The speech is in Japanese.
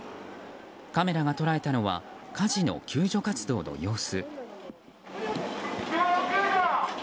カメラが捉えたのは火事の救助活動の様子。